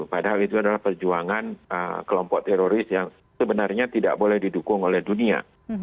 padahal itu adalah perjuangan kelompok teroris yang sebenarnya tidak boleh didukung oleh dunia